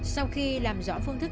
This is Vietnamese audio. sau khi làm rõ phương thức